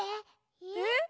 えっ？